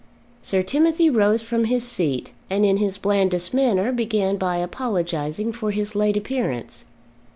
Sir Timothy rose from his seat, and in his blandest manner began by apologising for his late appearance.